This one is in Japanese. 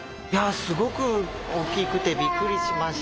すごく大きくてびっくりしました。